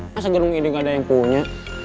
masa gerung ini gak ada yang punya